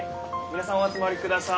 皆さんお集まりください。